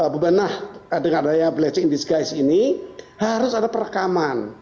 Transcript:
bebenah dengan daya blecing in disguise ini harus ada perekaman